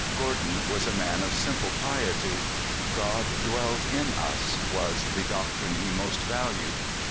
Gordon was a man of simple piety. "God dwells in us" this was the doctrine he most valued.